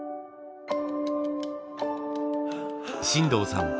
進藤さん